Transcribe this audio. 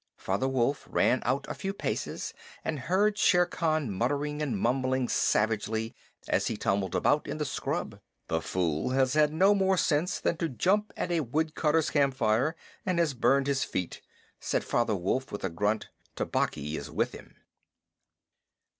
Father Wolf ran out a few paces and heard Shere Khan muttering and mumbling savagely as he tumbled about in the scrub. "The fool has had no more sense than to jump at a woodcutter's campfire, and has burned his feet," said Father Wolf with a grunt. "Tabaqui is with him."